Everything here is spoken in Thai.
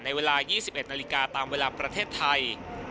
ในเวลา๒๑นาฬิกาตามเวลาประเทศไทย